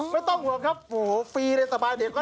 ไม่ต้องห่วงครับโอ้โหฟรีเลยสบายเด็กก็